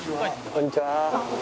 こんにちは。